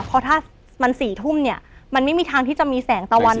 เพราะถ้ามัน๔ทุ่มเนี่ยมันไม่มีทางที่จะมีแสงตะวัน